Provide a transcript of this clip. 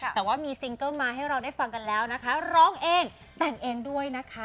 แต่ว่ามีซิงเกิ้ลมาให้เราได้ฟังกันแล้วนะคะร้องเองแต่งเองด้วยนะคะ